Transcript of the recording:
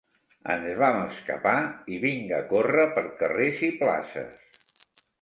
Ens vam escapar, i vinga córrer per carrers i places!